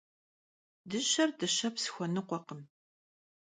Dışer dışeps xuenıkhuekhım.